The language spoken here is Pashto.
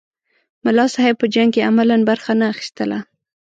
ملا صاحب په جنګ کې عملاً برخه نه اخیستله.